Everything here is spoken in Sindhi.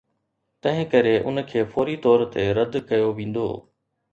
تنهنڪري ان کي فوري طور تي رد ڪيو ويندو.